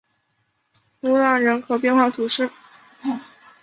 努朗人口变化图示